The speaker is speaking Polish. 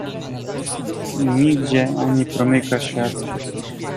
"I nigdzie ani promyka światła."